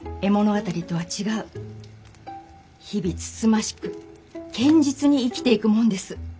日々つつましく堅実に生きていくもんです。